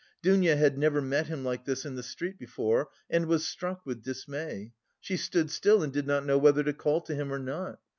Dounia had never met him like this in the street before and was struck with dismay. She stood still and did not know whether to call to him or not.